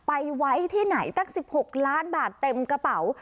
ไว้ที่ไหนตั้ง๑๖ล้านบาทเต็มกระเป๋า